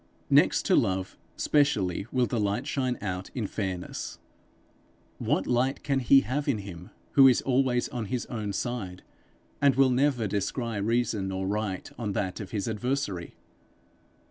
Next to love, specially will the light shine out in fairness. What light can he have in him who is always on his own side, and will never descry reason or right on that of his adversary?